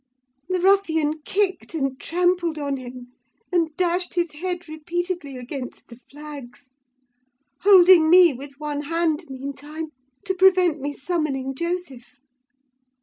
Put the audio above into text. The ruffian kicked and trampled on him, and dashed his head repeatedly against the flags, holding me with one hand, meantime, to prevent me summoning Joseph.